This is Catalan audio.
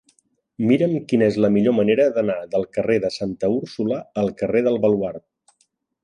Mira'm quina és la millor manera d'anar del carrer de Santa Úrsula al carrer del Baluard.